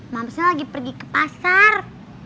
mamsnya lagi pergi ke pasar